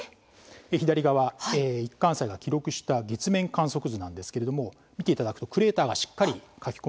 左側一貫斎が記録した月面観測図なんですけれども見ていただくとクレーターがしっかり描き込まれていますね。